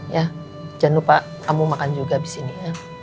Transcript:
jangan lupa kamu makan juga abis ini ya